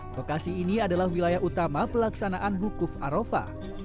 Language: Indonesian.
lokasi ini adalah wilayah utama pelaksanaan wukuf arofah